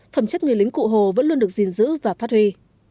phẩm chất người lính cụ hồ vẫn luôn được gìn giữ và phát huy